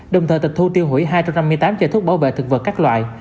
đồng thời tịch thu tiêu hủy hai trăm năm mươi tám chai thuốc bảo vệ thực vật các loại